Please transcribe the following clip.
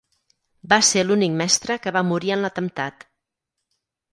Va ser l'únic mestre que va morir en l'atemptat.